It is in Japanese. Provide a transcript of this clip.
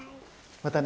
またね。